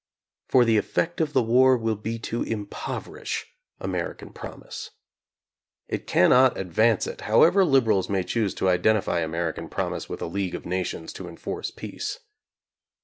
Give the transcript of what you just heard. For the effect of the war will be to impoverish Ameri can promise. It cannot advance it, however lib erals may choose to identify American promise with a league of nations to enforce peace.